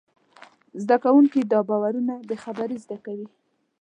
زدهکوونکي دا باورونه بېخبري زده کوي.